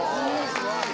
すごい。